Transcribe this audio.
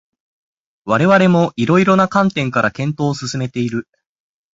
我々も色々な観点から検討を進めている